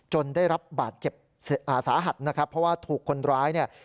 ได้รับบาดเจ็บสาหัสนะครับเพราะว่าถูกคนร้ายเนี่ย